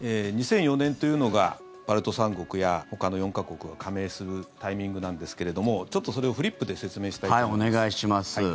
２００４年というのがバルト三国や、ほかの４か国が加盟するタイミングなんですけれどもちょっとそれをフリップで説明したいと思います。